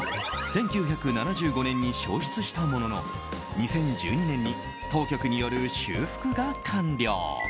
１９７５年に焼失したものの２０１２年に当局による修復が完了。